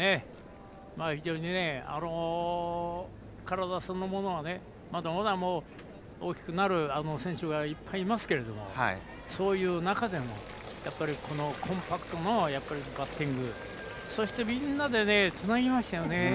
非常に体そのものは大きくなる選手はいっぱいいますけれどもそういう中でもコンパクトなバッティングそして、みんなでつなぎましたよね。